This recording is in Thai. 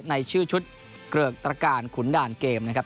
ในชื่อชุดเกริกตรการขุนด่านเกมนะครับ